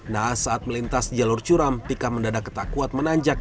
nah saat melintas jalur curam pika mendadak ketak kuat menanjak